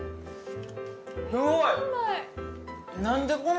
すごい！